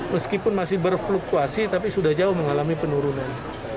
meskipun masih berfluktuasi tapi sudah jauh mengalami penurunan